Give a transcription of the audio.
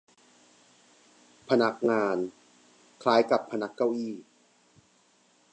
พนักงาน คล้ายกับพนักเก้าอี้